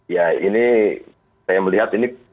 ya ini saya melihat ini